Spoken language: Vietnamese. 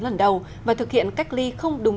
lần đầu và thực hiện cách ly không đúng